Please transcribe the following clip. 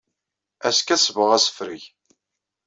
Azekka ad sebɣeɣ asefreg.